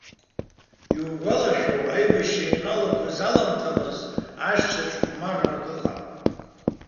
Иугәалашәоу, аибашьра ианалагоз аламҭалазы, ашҭаҿы хәмаррак ыҟан?